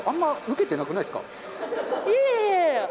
いえいえ！